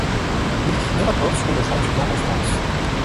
Il écrit deux rapports sur le logement étudiant en France.